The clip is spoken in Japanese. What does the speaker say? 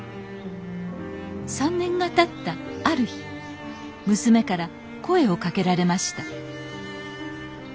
３年がたったある日娘から声をかけられました